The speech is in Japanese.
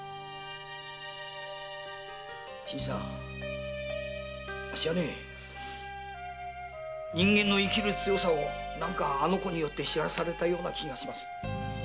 新さんあっしはね人間の生きる強さをあの子によって知らされたような気がします。